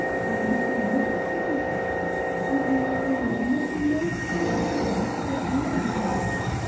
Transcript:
'We must be most circumspect. My dear friend, we must be most circumspect, for all our sakes.